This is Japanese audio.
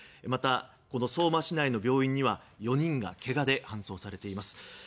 また、相馬市内の病院には４人がけがで搬送されています。